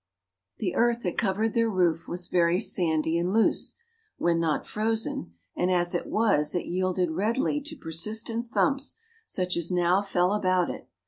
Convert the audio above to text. The earth that covered their roof was very sandy and loose, when not frozen, and as it was, it yielded readily to persistent thumps such as now fell about it.